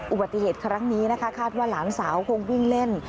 อุบัติเหตุครั้งนี้นะคะคาดว่าหลานสาวคงวิ่งเล่น